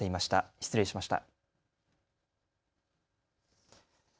失礼しました。